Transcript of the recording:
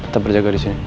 tetep berjaga disini